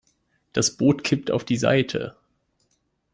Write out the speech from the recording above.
Das Boot kippt auf die Seite.